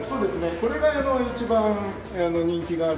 これが一番人気がある。